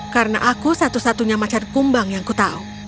karena aku satu satunya macan kumbang yang ku tahu